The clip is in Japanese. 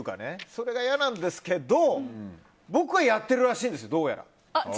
それが嫌なんですけども僕はやってるらしいんですよどうやら。